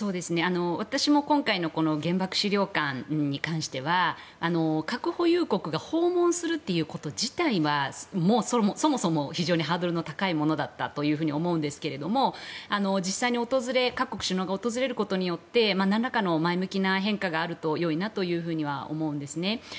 私も今回の原爆資料館に関しては核保有国が訪問するということ自体はそもそも非常にハードルの高いものだったと思うんですが実際に各国首脳が訪れることによってなんらかの理解が得られるかとは思うんですね。